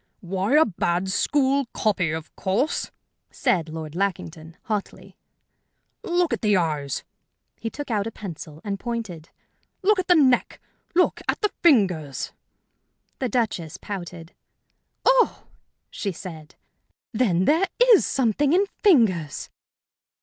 "Why, a bad school copy, of course!" said Lord Lackington, hotly. "Look at the eyes" he took out a pencil and pointed "look at the neck, look at the fingers!" The Duchess pouted. "Oh!" she said. "Then there is something in fingers!"